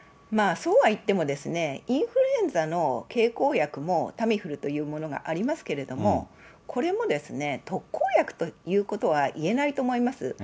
まあ、そうはいってもですね、インフルエンザの経口薬もタミフルというものがありますけれども、これも、特効薬ということはいえないと思います。